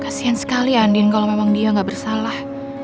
kasian sekali andin kalau memang dia nggak bersalah